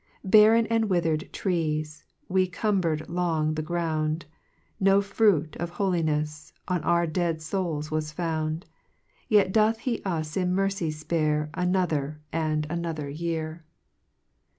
2 Barren and wither'd trees We cumbor'd long the ground, No fruit of holinefs On our dead fouls was found 3 Vet doth he us in mercy fpare Another, and another year.